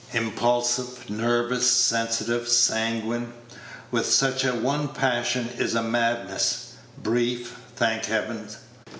Impulsive, nervous, sensitive, sanguine; with such a one passion is a madness brief, thank Heaven!